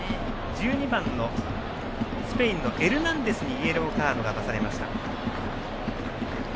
１２番のスペインのエルナンデスにイエローカードが出されました。